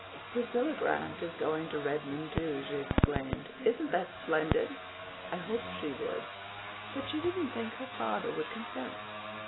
"Priscilla Grant is going to Redmond, too," she exclaimed. "Isn't that splendid? I hoped she would, but she didn't think her father would consent.